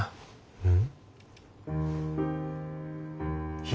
うん。